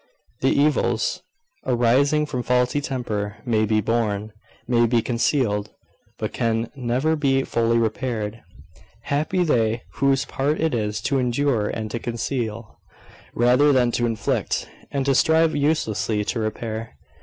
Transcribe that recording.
The evils arising from faulty temper may be borne, may be concealed, but can never be fully repaired. Happy they whose part it is to endure and to conceal, rather than to inflict, and to strive uselessly to repair!